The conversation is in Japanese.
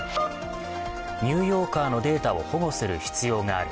ニューヨーカーのデータを保護する必要がある。